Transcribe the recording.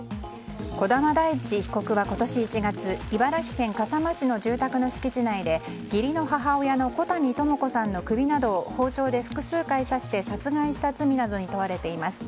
児玉大地被告は今年１月茨城県笠間市の住宅の敷地内で義理の母親の小谷朋子さんの首などを包丁で複数回刺して殺害した罪などに問われています。